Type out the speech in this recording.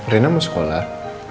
rina mau sekolah